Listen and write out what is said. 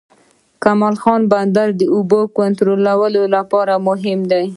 کمال خان بند د اوبو کنټرول لپاره مهم دی